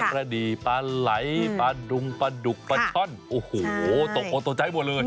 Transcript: กระดีปลาไหลปลาดุงปลาดุกปลาช่อนโอ้โหตกออกตกใจหมดเลย